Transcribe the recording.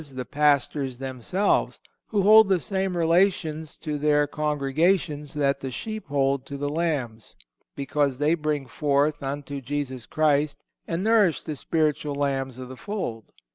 _, the Pastors themselves, who hold the same relations to their congregations that the sheep hold to the lambs, because they bring forth unto Jesus Christ, and nourish the spiritual lambs of the fold.